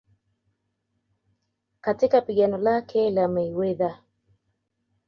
katika pigano lake na Mayweather